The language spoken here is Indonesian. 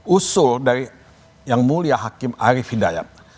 usul dari yang mulia hakim arief hidayat